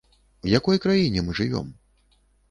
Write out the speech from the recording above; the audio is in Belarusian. У якой краіне мы жывём?